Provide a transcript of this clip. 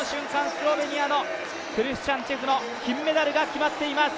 スロベニアのクリスチャン・チェフの金メダルが決まっています。